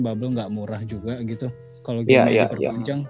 bubble gak murah juga gitu kalo game nya diberpanjang